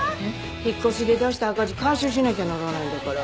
引っ越しで出した赤字回収しなきゃならないんだから。